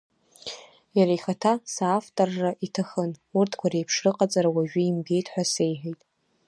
Иара ихаҭа соавторра иҭахын, урҭқәа реиԥш рыҟаҵара уажәы имбеит ҳәа сеиҳәеит.